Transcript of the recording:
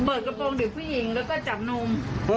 กระโปรงดึกผู้หญิงแล้วก็จับนม